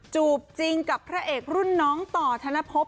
จริงกับพระเอกรุ่นน้องต่อธนภพ